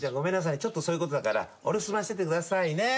ちょっとそういうことだからお留守番しててくださいね。